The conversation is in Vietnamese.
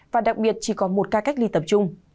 và đặc biệt chỉ có một ca cách ly tập trung